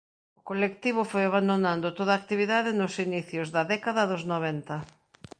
O colectivo foi abandonando toda actividade nos inicios da década dos noventa.